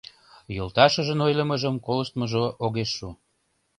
Йолташыжын ойлымыжым колыштмыжо огеш шу.